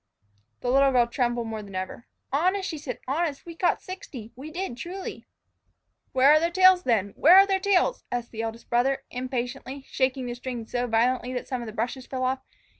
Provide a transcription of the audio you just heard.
The little girl trembled more than ever. "Honest," she said; "honest! We caught sixty we did, truly " "Where are their tails, then? where are their tails?" asked the eldest brother, impatiently, shaking the string so violently that some of the brushes fell off.